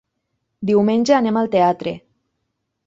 Diumenge anam al teatre.